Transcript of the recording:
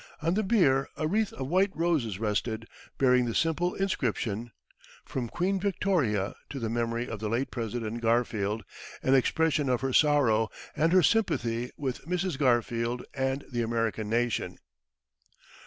On the bier a wreath of white roses rested, bearing the simple inscription "From Queen Victoria to the memory of the late President Garfield, an expression of her sorrow, and her sympathy with Mrs. Garfield and the American nation."